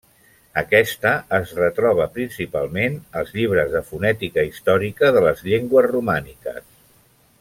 Aquesta es retroba principalment als llibres de fonètica històrica de les llengües romàniques.